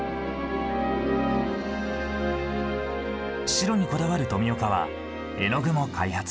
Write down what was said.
白にこだわる富岡は絵の具も開発。